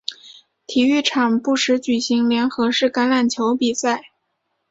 体育场不时举行联合式橄榄球比赛。